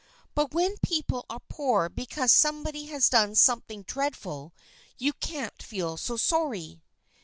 " But when peo ple are poor because somebody has done something dreadful you can't feel so sorry."